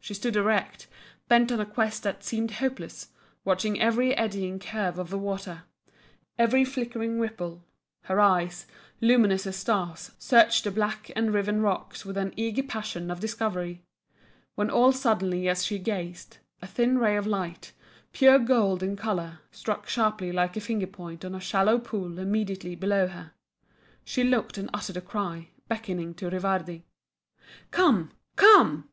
She stood erect, bent on a quest that seemed hopeless, watching every eddying curve of water, every flickering ripple, her eyes, luminous as stars, searched the black and riven rocks with an eager passion of discovery, when all suddenly as she gazed, a thin ray of light, pure gold in colour, struck sharply like a finger point on a shallow pool immediately below her. She looked and uttered a cry, beckoning to Rivardi. "Come! Come!"